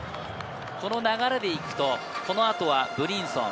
この流れで行くと、この後はブリンソン。